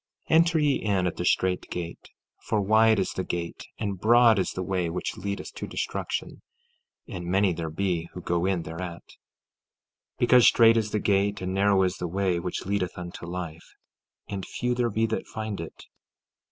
14:13 Enter ye in at the strait gate; for wide is the gate, and broad is the way, which leadeth to destruction, and many there be who go in thereat; 14:14 Because strait is the gate, and narrow is the way, which leadeth unto life, and few there be that find it.